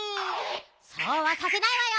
そうはさせないわよ！